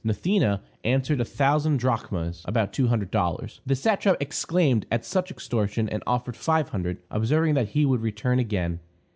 Gnathena answered, a thousand drachmas (about two hundred dollars). The satrap exclaimed at such extortion, and offered five hundred, observing that he would return again.